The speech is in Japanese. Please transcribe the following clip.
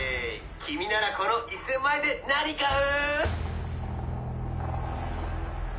「君ならこの１０００万円で何買う？」